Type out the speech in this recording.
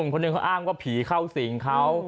คนหนึ่งเขาอ้างว่าผีเข้าสิงเขา